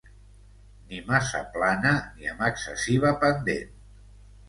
ni massa plana ni amb excessiva pendent